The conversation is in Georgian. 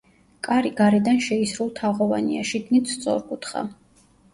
კარი გარედან შეისრულთაღოვანია, შიგნით სწორკუთხა.